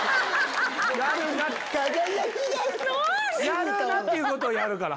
やるな！っていうことをやるから。